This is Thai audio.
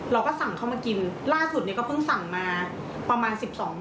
เราก็สั่งเข้ามากินล่าสุดเนี่ยก็เพิ่งสั่งมาประมาณสิบสอง